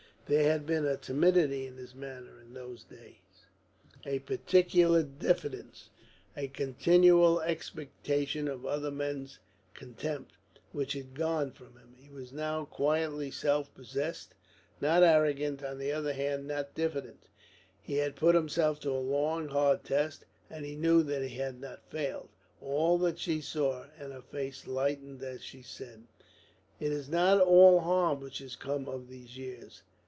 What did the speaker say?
There had been a timidity in his manner in those days, a peculiar diffidence, a continual expectation of other men's contempt, which had gone from him. He was now quietly self possessed; not arrogant; on the other hand, not diffident. He had put himself to a long, hard test; and he knew that he had not failed. All that she saw; and her face lightened as she said: "It is not all harm which has come of these years.